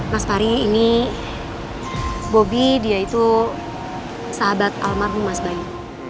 mas fari ini bobi dia itu sahabat almarhum mas bayu